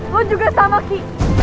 lo juga sama ki